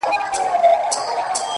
• څوك به وران كي د ازل كښلي خطونه,